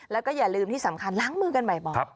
แล้วก็อย่าลืมที่สำคัญล้างมือกันบ่อย